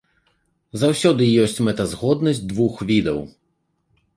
Заўсёды ёсць мэтазгоднасць двух відаў.